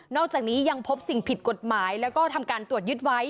อกจากนี้ยังพบสิ่งผิดกฎหมายแล้วก็ทำการตรวจยึดไว้